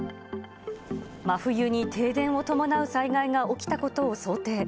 真冬に停電を伴う災害が起きたことを想定。